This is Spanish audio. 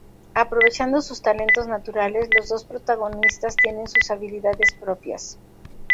Aprovechando sus talentos naturales, los dos protagonistas tienen sus habilidades propias.